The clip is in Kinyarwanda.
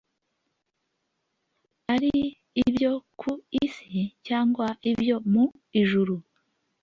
ari ibyo ku isi cyangwa ibyo mu ijuru